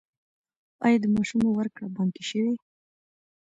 آیا د معاشونو ورکړه بانکي شوې؟